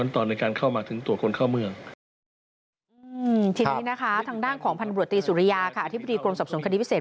อธิบดีสุริยาค่ะอธิบดีกรงสรรพสมคดีพิเศษ